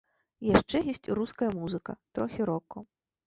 Яшчэ ёсць руская музыка, трохі року.